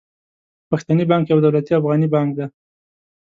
پښتني بانک يو دولتي افغاني بانک دي.